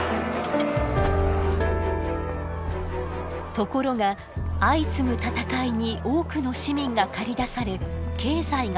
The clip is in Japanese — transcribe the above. ところが相次ぐ戦いに多くの市民が駆り出され経済が混乱。